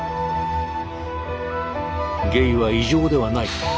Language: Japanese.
「ゲイは異常ではない」